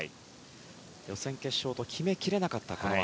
予選、決勝と決めきれなかったこの技。